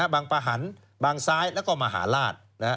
ประหันบางซ้ายแล้วก็มหาลาศ